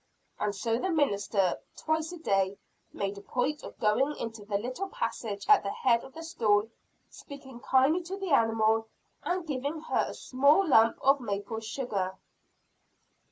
And so the minister, twice a day, made a point of going into the little passage, at the head of the stall, speaking kindly to the animal, and giving her a small lump of maple sugar.